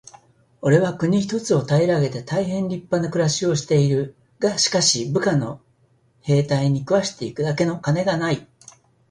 「おれは国一つを平げて大へん立派な暮しをしている。がしかし、部下の兵隊に食わして行くだけの金がない。」